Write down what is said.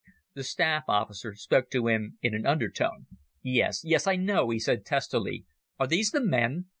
The staff officer spoke to him in an undertone. "Yes, yes, I know," he said testily. "Are these the men?